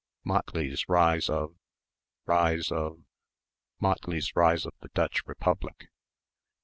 Motley's Rise of ... Rise of ... Motley's Rise of the Dutch Republic....